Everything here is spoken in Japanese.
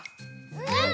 うん！